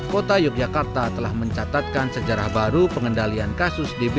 kota yogyakarta telah mencatatkan sejarah baru pengendalian kasus dbd di tahun dua ribu dua puluh tiga ini